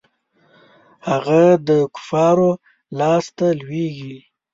هغه د کفارو لاسته لویږي.